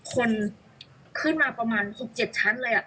คนขึ้นมาประมาณสุด๗ชั้นเลยอ่ะ